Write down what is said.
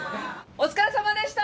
お疲れ様でした！